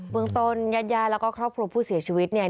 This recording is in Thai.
เมืองต้นญาติญาติแล้วก็ครอบครัวผู้เสียชีวิตเนี่ย